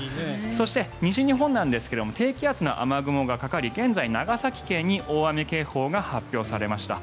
そして西日本ですが低気圧の雨雲がかかり現在、長崎県に大雨警報が発表されました。